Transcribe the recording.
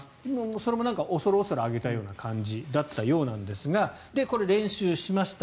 それも恐る恐る挙げたような感じだったようですがこれ、練習しました。